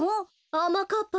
あまかっぱ